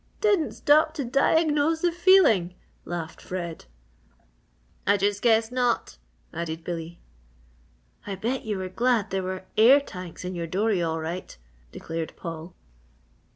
"Didn't stop to diagnose the feeling!" laughed Fred. "I just guess not!" added Billy. "I bet you were glad there were air tanks in your dory, all right!" declared Paul.